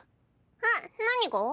えっ何が？